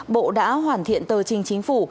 bộ đã hoàn thiện tờ trình chính phủ